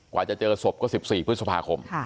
กว่าจะเจอศพก็๑๔พฤษภาคม